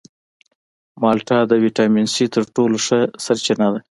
مالټه د ویټامین سي تر ټولو ښه سرچینه ده.